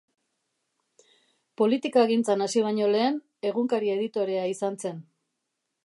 Politikagintzan hasi baino lehen egunkari-editorea izan zen.